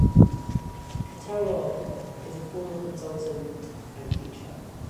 Catterall is a former consultant and teacher.